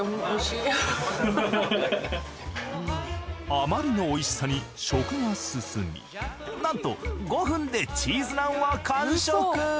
あまりの美味しさに食が進みなんと５分でチーズナンは完食。